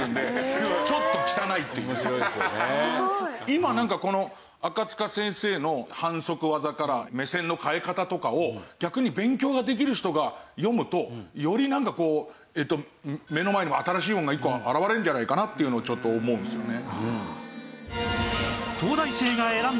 今なんかこの赤塚先生の反則技から目線の変え方とかを逆に勉強ができる人が読むとよりなんかこう目の前に新しいものが一個現れるんじゃないかなっていうのをちょっと思うんですよね。